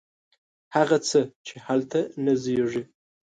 هغه څه، چې هلته نه زیږي